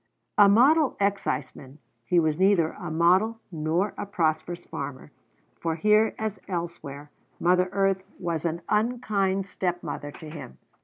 A model exciseman, he was neither a model nor a prosperous farmer, for here as elsewhere, mother earth was an unkind stepmother to him.